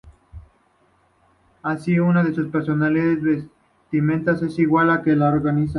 Aun así, sus personalidades y vestimenta es igual que en la original.